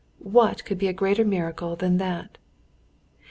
"What could be a greater miracle than that?